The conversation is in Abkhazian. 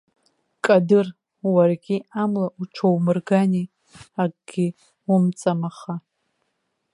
Кадыр, уаргьы амла уҽоумыргани, акгьы умҵам аха.